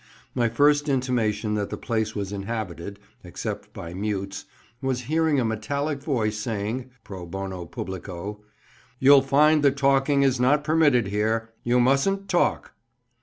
My first intimation that the place was inhabited, except by mutes, was hearing a metallic voice saying, pro bono publico, "You'll find that talking is not permitted here—you mustn't talk."